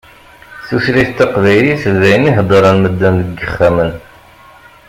Tutlayt taqbaylit d ayen i heddṛen medden deg ixxamen.